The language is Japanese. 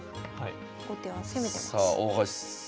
後手は攻めてます。